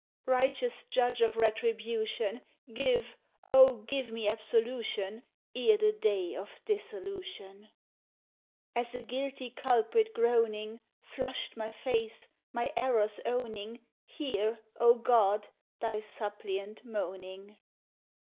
Righteous Judge of retribution, Give, O give me absolution Ere the day of dissolution! As a guilty culprit groaning, Flushed my face, my errors owning, Hear. O God, Thy suppliant moaning!